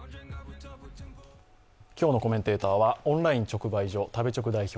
今日のコメンテーターはオンライン直売所、食べチョク代表